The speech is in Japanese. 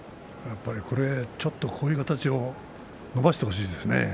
ちょっとこういう形伸ばしてほしいですよね。